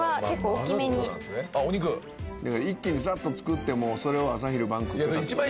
「だから一気にサッと作ってもうそれを朝昼晩食ってたって事ですよね」